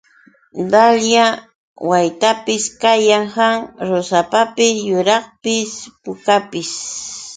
Dalya waytapis kayan, ¿aw? Rusapapis yuraqpis pukapis.